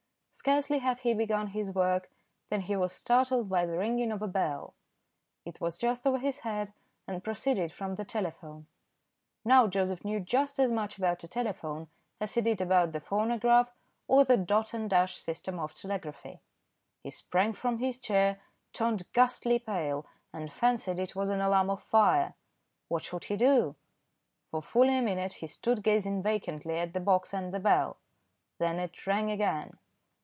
Scarcely had he begun his work than he was startled by the ringing of a bell. It was just over his head and proceeded from the telephone. Now Joseph knew just as much about a telephone as he did about the phonograph or the dot and dash system of telegraphy. He sprang from his chair, turned ghastly pale, and fancied it was an alarm of fire. What should he do? For fully a minute he stood gazing vacantly at the box and the bell. Then it rang again.